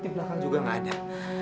di belakang juga nggak ada